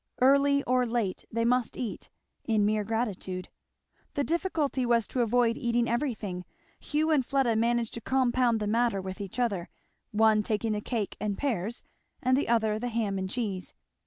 Early or late, they must eat, in mere gratitude. The difficulty was to avoid eating everything. Hugh and Fleda managed to compound the matter with each other, one taking the cake and pears, and the other the ham and cheese.